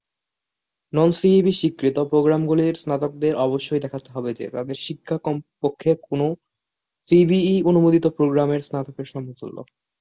নন-সিইএবি-স্বীকৃত প্রোগ্রামগুলির স্নাতকদের অবশ্যই দেখাতে হবে যে তাদের শিক্ষা কমপক্ষে কোনও সিইএবি-অনুমোদিত প্রোগ্রামের স্নাতকের সমতুল্য।